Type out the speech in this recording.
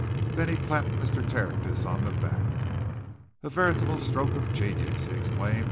Then he clapped Mr. Tertius on the back. "A veritable stroke of genius!" he exclaimed.